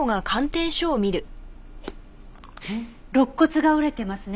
肋骨が折れてますね。